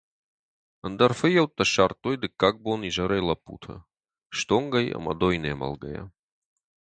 Ӕндӕр фыййӕуттӕ ссардтой дыккаг бон изӕрӕй лӕппуты, стонгӕй ӕмӕ дойныйӕ мӕлгӕйӕ.